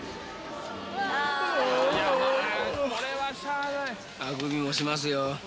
あくびもしますよ。